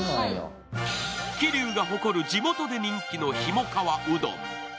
桐生が誇る地元で人気のひもかわうどん。